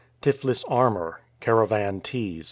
Tiflis armor, caravan teas.